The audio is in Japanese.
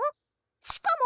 しかも！